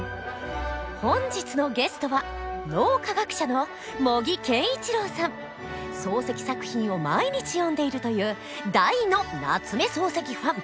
本日のゲストは漱石作品を毎日読んでいるという大の夏目漱石ファン。